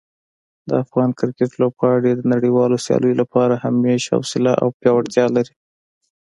د افغان کرکټ لوبغاړي د نړیوالو سیالیو لپاره همیش حوصله او پیاوړتیا لري.